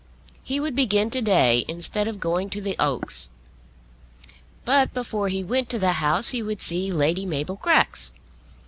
He would begin to day, instead of going to the Oaks. But before he went to the House he would see Lady Mabel Grex.